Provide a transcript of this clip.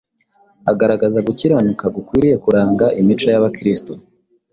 Agaragaza gukiranuka gukwiriye kuranga imico y’Abakristo.